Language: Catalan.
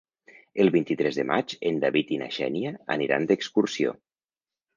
El vint-i-tres de maig en David i na Xènia aniran d'excursió.